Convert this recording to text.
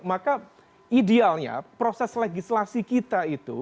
maka idealnya proses legislasi kita itu